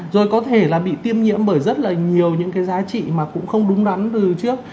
rồi có thể là bị tiêm nhiễm bởi rất là nhiều những cái giá trị mà cũng không đúng đắn từ trước